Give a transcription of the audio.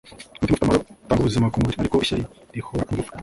umutima ufite amahoro utanga ubuzima kumubiri, ariko ishyari ribora amagufwa